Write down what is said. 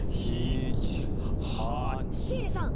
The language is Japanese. シエリさん！